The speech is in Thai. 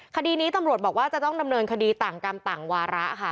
คดีนี้ตำรวจบอกว่าจะต้องดำเนินคดีต่างกรรมต่างวาระค่ะ